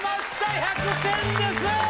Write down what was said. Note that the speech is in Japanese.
１００点です！